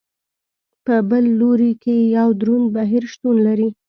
په بل لوري کې یو دروند بهیر شتون لري.